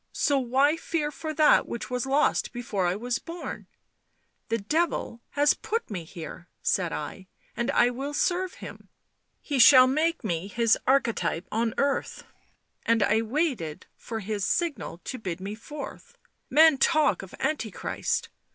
so why fear for that which was lost before I was born ?' The Devil has put me here/ said I, ' and I will serve him ... he shall make me his archetype on earth, ... and I waited for his signal to bid me forth. Men talk of Antichrist